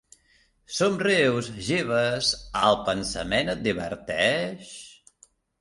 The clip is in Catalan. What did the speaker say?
Somrius, Jeeves. El pensament et diverteix?